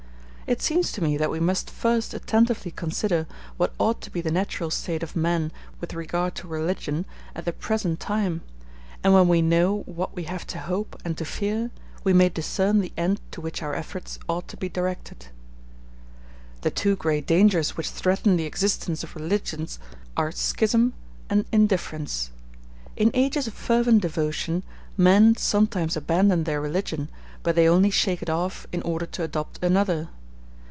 It seems to me that we must first attentively consider what ought to be the natural state of men with regard to religion at the present time; and when we know what we have to hope and to fear, we may discern the end to which our efforts ought to be directed. The two great dangers which threaten the existence of religions are schism and indifference. In ages of fervent devotion, men sometimes abandon their religion, but they only shake it off in order to adopt another.